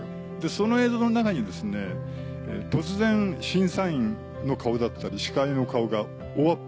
その映像の中に突然審査員の顔だったり司会の顔が大アップ。